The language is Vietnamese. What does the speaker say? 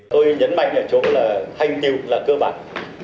tôi nhấn mạnh ở chỗ là hành tiêu là cơ bản